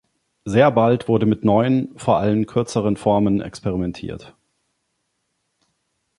Sehr bald wurde mit neuen, vor allem kürzeren Formen experimentiert.